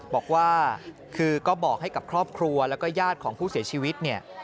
บอกว่าคือก็บอกให้กับครอบครัวแล้วก็ญาติของผู้เสียชีวิตเนี่ย